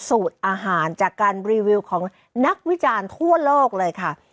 สูตรอาหารจากการรีวิวของนักวิจารณ์ทั่วโลกเลยค่ะ